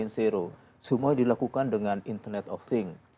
semua dilakukan dengan internet of thing